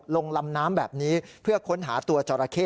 ลงลำน้ำแบบนี้เพื่อค้นหาตัวจราเข้